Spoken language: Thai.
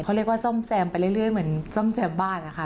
เขาเรียกว่าซ่อมแซมไปเรื่อยเหมือนซ่อมแซมบ้านนะคะ